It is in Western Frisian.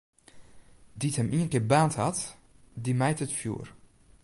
Dy't him ienkear baarnd hat, dy mijt it fjoer.